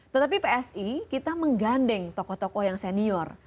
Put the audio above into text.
tetapi psi kita menggandeng tokoh tokoh yang senior